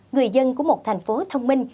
người dân của một thành phố thông minh